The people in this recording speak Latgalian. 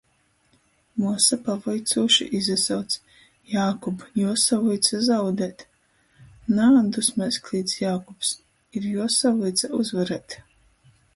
Muosa pavuicūši izasauc: "Jākub, juosavuica zaudēt!" "Nā!" dusmēs klīdz Jākubs. Ir juosavuica uzvarēt!